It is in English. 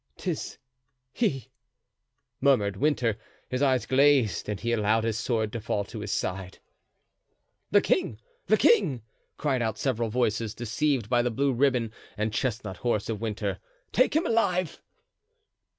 "'Tis he!" murmured Winter, his eyes glazed and he allowed his sword to fall to his side. "The king! the king!" cried out several voices, deceived by the blue ribbon and chestnut horse of Winter; "take him alive."